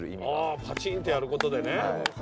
パチンってやることでね。